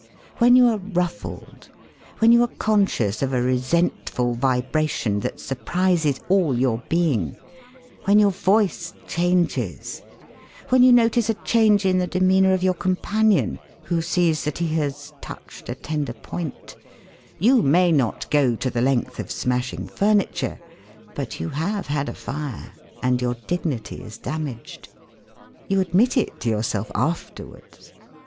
When you are 'ruffled,' when you are conscious of a resentful vibration that surprises all your being, when your voice changes, when you notice a change in the demeanour of your companion, who sees that he has 'touched a tender point,' you may not go to the length of smashing furniture, but you have had a fire, and your dignity is damaged. You admit it to yourself afterwards.